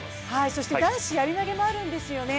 そして男子やり投もあるんですよね。